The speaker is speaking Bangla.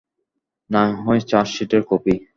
নাহয় চার্জশিটের কপি।